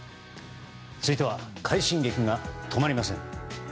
続いては快進撃が止まりません。